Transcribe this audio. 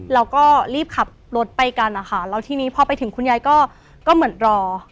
เราก็รีบขับรถไปกันนะคะแล้วทีนี้พอไปถึงคุณยายก็เหมือนรอ